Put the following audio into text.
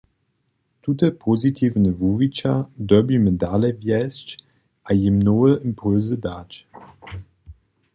Tute pozitiwne wuwića dyrbimy dale wjesć a jim nowe impulsy dać.